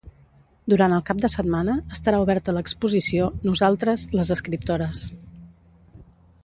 Durant el cap de setmana estarà oberta l’exposició Nosaltres, les escriptores.